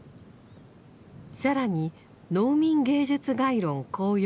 更に「農民芸術概論綱要」